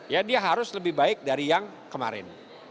ya dia harus lebih baik dari yang kemarin